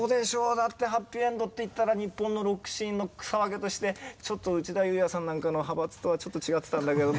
だってはっぴいえんどっていったら日本のロックシーンの草分けとしてちょっと内田裕也さんなんかの派閥とはちょっと違ってたんだけど